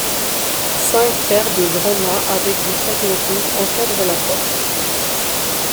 Cinq paires de grands mâts avec des fanions rouges encadrent la porte.